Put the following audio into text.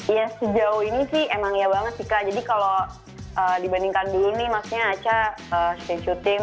ya sejauh ini sih emang iya banget sih kak jadi kalau dibandingkan dulu nih maksudnya aca shane shooting